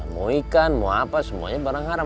mau ikan mau apa semuanya barang haram